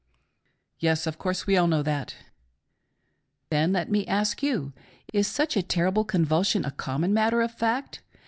: Yes, of course, we all know that. M. : Then let me ask you. Is such a terrible convulsion a common matter of fact.